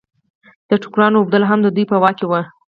د ټوکرانو اوبدل هم د دوی په واک کې وو.